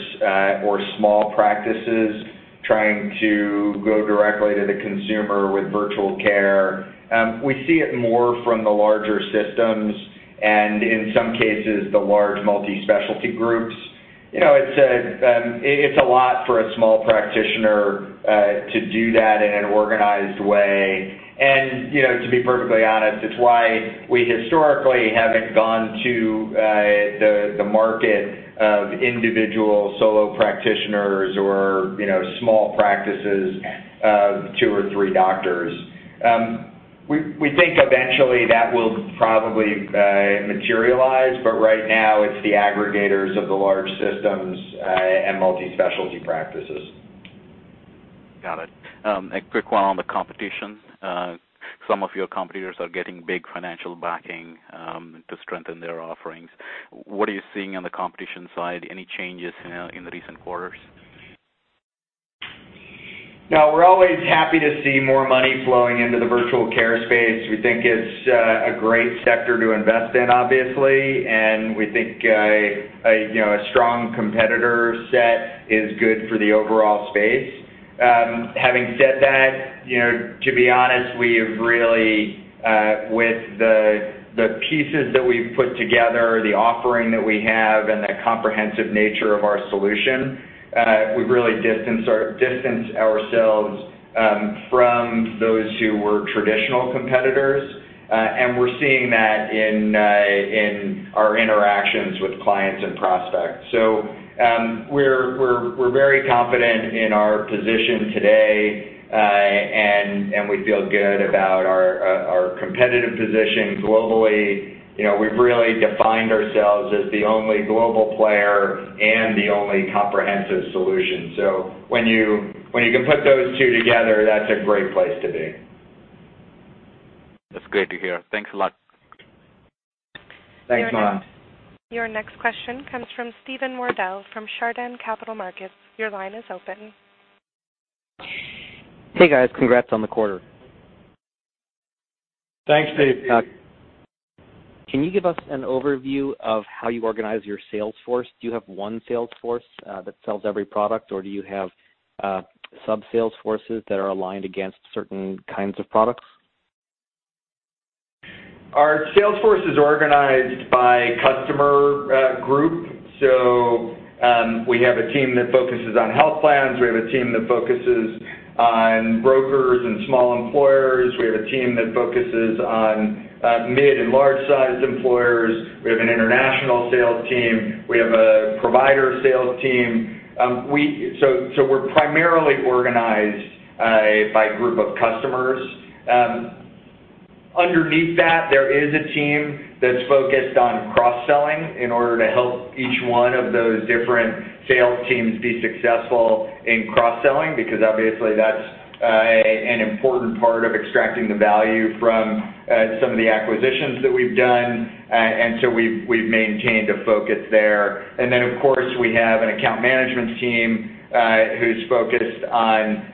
or small practices trying to go directly to the consumer with virtual care. We see it more from the larger systems and in some cases, the large multi-specialty groups. It's a lot for a small practitioner to do that in an organized way. To be perfectly honest, it's why we historically haven't gone to the market of individual solo practitioners or small practices of two or three doctors. We think eventually that will probably materialize, right now it's the aggregators of the large systems and multi-specialty practices. Got it. A quick one on the competition. Some of your competitors are getting big financial backing to strengthen their offerings. What are you seeing on the competition side? Any changes in the recent quarters? No, we're always happy to see more money flowing into the virtual care space. We think it's a great sector to invest in, obviously, and we think a strong competitor set is good for the overall space. Having said that, to be honest, with the pieces that we've put together, the offering that we have, and the comprehensive nature of our solution, we've really distanced ourselves from those who were traditional competitors. We're seeing that in our interactions with clients and prospects. We're very confident in our position today, and we feel good about our competitive position globally. We've really defined ourselves as the only global player and the only comprehensive solution. When you can put those two together, that's a great place to be. That's great to hear. Thanks a lot. Thanks, Mohan. Your next question comes from Steve Wardell from Chardan Capital Markets. Your line is open. Hey, guys. Congrats on the quarter. Thanks, Steve. Can you give us an overview of how you organize your sales force? Do you have one sales force that sells every product, or do you have sub-sales forces that are aligned against certain kinds of products? Our sales force is organized by customer group. We have a team that focuses on health plans. We have a team that focuses on brokers and small employers. We have a team that focuses on mid and large-sized employers. We have an international sales team. We have a provider sales team. We're primarily organized by group of customers. Underneath that, there is a team that's focused on cross-selling in order to help each one of those different sales teams be successful in cross-selling, because obviously that's an important part of extracting the value from some of the acquisitions that we've done. We've maintained a focus there. Of course, we have an account management team who's focused on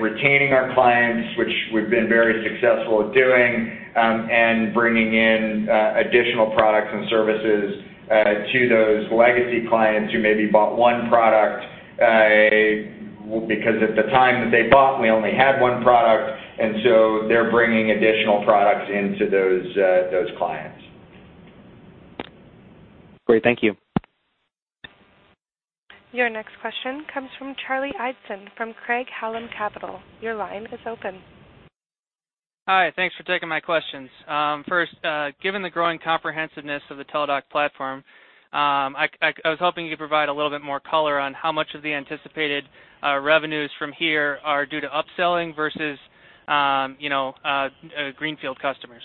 retaining our clients, which we've been very successful at doing, and bringing in additional products and services to those legacy clients who maybe bought one product, because at the time that they bought, we only had one product. They're bringing additional products into those clients. Great. Thank you. Your next question comes from Charlie Eidson from Craig-Hallum Capital. Your line is open. Hi. Thanks for taking my questions. First, given the growing comprehensiveness of the Teladoc platform, I was hoping you could provide a little bit more color on how much of the anticipated revenues from here are due to upselling versus greenfield customers.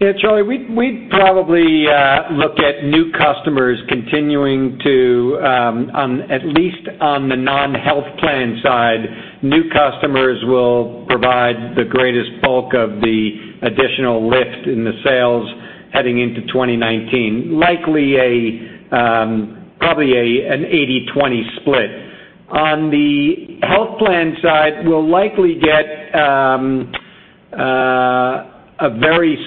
Yeah, Charlie, we'd probably look at new customers continuing to, at least on the non-health plan side, new customers will provide the greatest bulk of the additional lift in the sales heading into 2019. Likely, probably an 80/20 split. On the health plan side, we'll likely get a very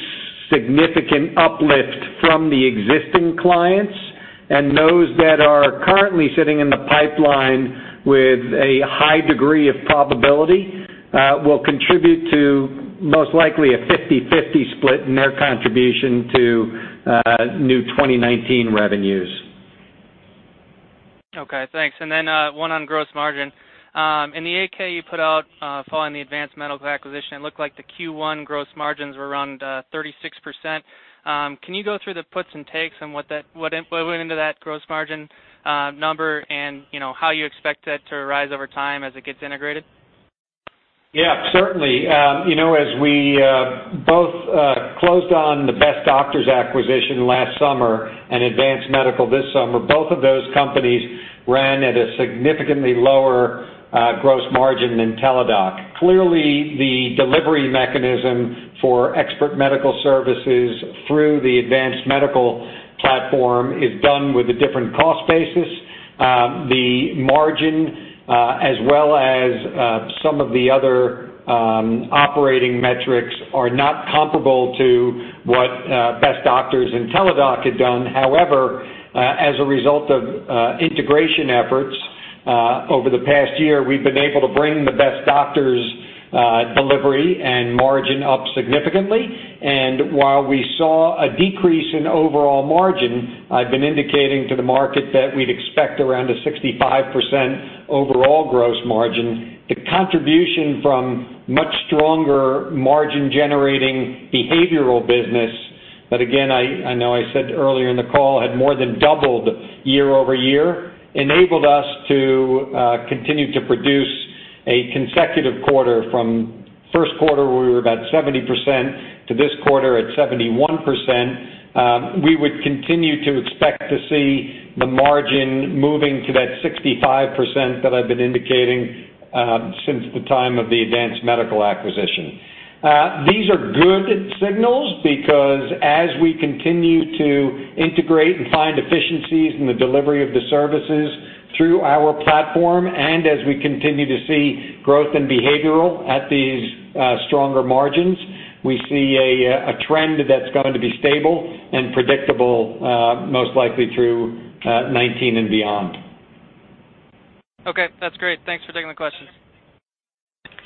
significant uplift from the existing clients, and those that are currently sitting in the pipeline with a high degree of probability will contribute to most likely a 50/50 split in their contribution to new 2019 revenues. Okay, thanks. One on gross margin. In the 8-K you put out following the Advance Medical acquisition, it looked like the Q1 gross margins were around 36%. Can you go through the puts and takes on what went into that gross margin number and how you expect that to rise over time as it gets integrated? Yeah, certainly. As we both closed on the Best Doctors acquisition last summer and Advance Medical this summer, both of those companies ran at a significantly lower gross margin than Teladoc. Clearly, the delivery mechanism for expert medical services through the Advance Medical platform is done with a different cost basis. The margin, as well as some of the other operating metrics, are not comparable to what Best Doctors and Teladoc had done. However, as a result of integration efforts over the past year, we've been able to bring the Best Doctors delivery and margin up significantly. While we saw a decrease in overall margin, I've been indicating to the market that we'd expect around a 65% overall gross margin. The contribution from much stronger margin-generating behavioral business, that again, I know I said earlier in the call, had more than doubled year-over-year, enabled us to continue to produce a consecutive quarter from first quarter where we were about 70%, to this quarter at 71%. We would continue to expect to see the margin moving to that 65% that I've been indicating since the time of the Advance Medical acquisition. These are good signals because as we continue to integrate and find efficiencies in the delivery of the services through our platform, and as we continue to see growth in behavioral at these stronger margins, we see a trend that's going to be stable and predictable, most likely through 2019 and beyond. Okay. That's great. Thanks for taking the question.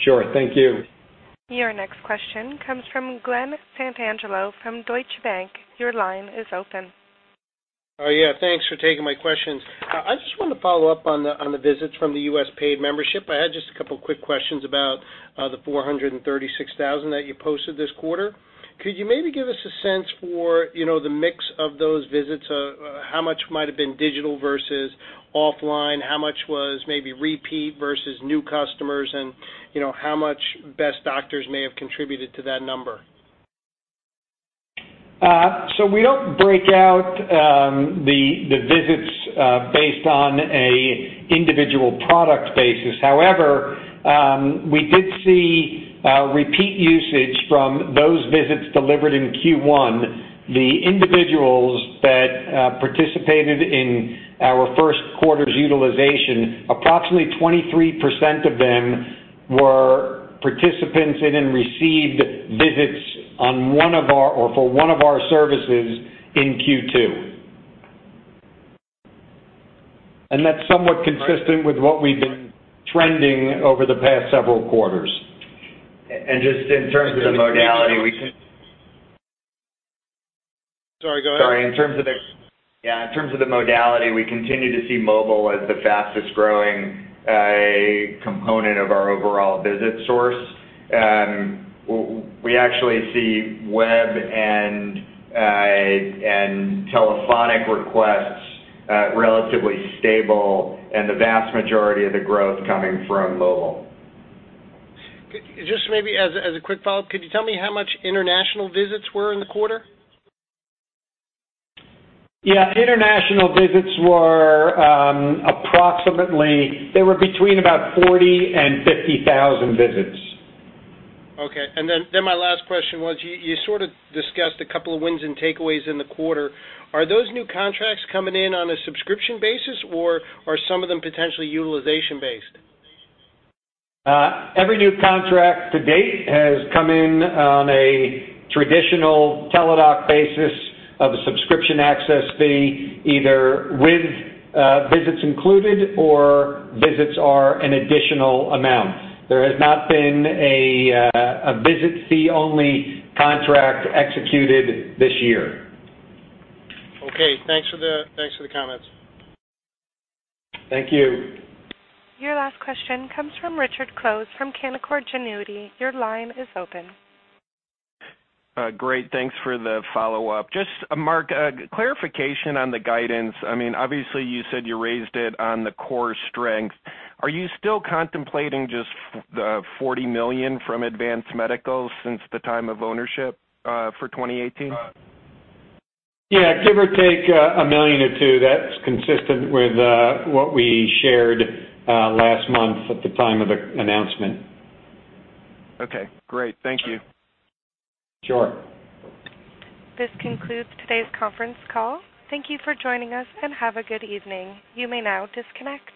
Sure. Thank you. Your next question comes from Glen Santangelo from Deutsche Bank. Your line is open. Oh, yeah. Thanks for taking my questions. I just wanted to follow up on the visits from the U.S. paid membership. I had just a couple of quick questions about the 436,000 that you posted this quarter. Could you maybe give us a sense for the mix of those visits? How much might have been digital versus offline? How much was maybe repeat versus new customers? How much Best Doctors may have contributed to that number? We don't break out the visits based on an individual product basis. However, we did see repeat usage from those visits delivered in Q1. The individuals that participated in our first quarter's utilization, approximately 23% of them were participants in and received visits for one of our services in Q2. That's somewhat consistent with what we've been trending over the past several quarters. Just in terms of the modality, we can- Sorry, go ahead. Sorry. Yeah, in terms of the modality, we continue to see mobile as the fastest-growing component of our overall visit source. We actually see web and telephonic requests relatively stable, and the vast majority of the growth coming from mobile. Just maybe as a quick follow-up, could you tell me how much international visits were in the quarter? Yeah. International visits were between about 40,000 and 50,000 visits. Okay. My last question was, you sort of discussed a couple of wins and takeaways in the quarter. Are those new contracts coming in on a subscription basis, or are some of them potentially utilization-based? Every new contract to date has come in on a traditional Teladoc basis of a subscription access fee, either with visits included or visits are an additional amount. There has not been a visit fee-only contract executed this year. Okay, thanks for the comments. Thank you. Your last question comes from Richard Close from Canaccord Genuity. Your line is open. Great, thanks for the follow-up. Just, Mark, clarification on the guidance. Obviously, you said you raised it on the core strength. Are you still contemplating just the $40 million from Advance Medical since the time of ownership for 2018? Yeah. Give or take $1 million or $2 million. That's consistent with what we shared last month at the time of the announcement. Okay, great. Thank you. Sure. This concludes today's conference call. Thank you for joining us, and have a good evening. You may now disconnect.